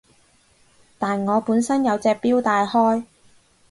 但我本身有隻錶戴開